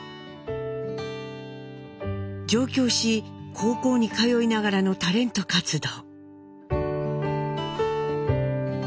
上京し高校に通いながらのタレント活動。